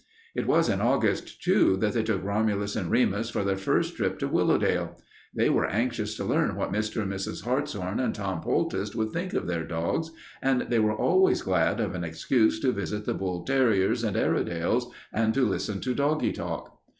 It was in August, too, that they took Romulus and Remus for their first trip to Willowdale. They were anxious to learn what Mr. and Mrs. Hartshorn and Tom Poultice would think of their dogs, and they were always glad of an excuse to visit the bull terriers and Airedales and to listen to doggy talk.